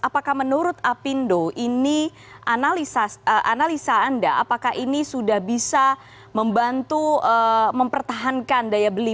apakah menurut apindo ini analisa anda apakah ini sudah bisa membantu mempertahankan daya beli